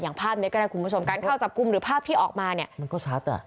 ภาพนี้ก็ได้คุณผู้ชมการเข้าจับกลุ่มหรือภาพที่ออกมาเนี่ยมันก็ชัดอ่ะ